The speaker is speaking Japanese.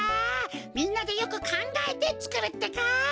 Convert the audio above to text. みんなでよくかんがえてつくるってか！